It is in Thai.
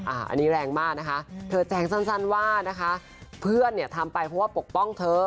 อันนี้แรงมากนะคะเธอแจ้งสั้นว่านะคะเพื่อนเนี่ยทำไปเพราะว่าปกป้องเธอ